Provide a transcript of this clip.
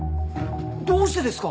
どうしてですか！？